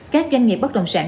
các doanh nghiệp bất động sản